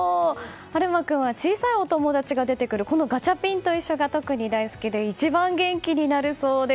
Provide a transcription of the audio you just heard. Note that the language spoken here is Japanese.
悠将君は小さいお友達が出てくるこのガチャピンといっしょ！が大好きで一番元気になるそうです。